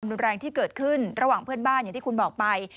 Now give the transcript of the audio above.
รุนแรงที่เกิดขึ้นระหว่างเพื่อนบ้านอย่างที่คุณบอกไป